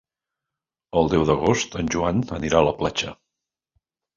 El deu d'agost en Joan anirà a la platja.